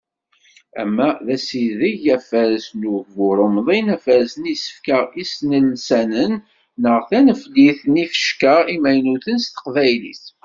Ama d asideg, afares n ugbur umḍin, afares n yisefka isnilsanen neɣ taneflit n yifecka imaynuten s teqbaylit.